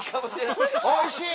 おいしい？